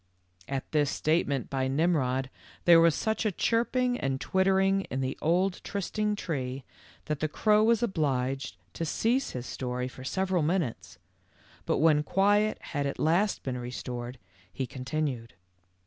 At this statement by Nimrod there was such a chirping and twittering in the old trysting tree that the crow was obliged to cease his story for several minutes, but when quiet had at last been restored, he continued.